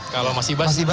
kalau mas ibas